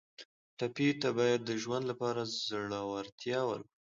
ټپي ته باید د ژوند لپاره زړورتیا ورکړو.